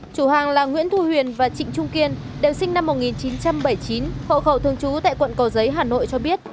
chủ hàng là nguyễn thu huyền và trịnh trung kiên đều sinh năm một nghìn chín trăm bảy mươi chín hộ khẩu thường trú tại quận cầu giấy hà nội cho biết